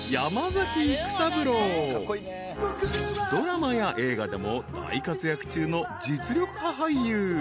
［ドラマや映画でも大活躍中の実力派俳優］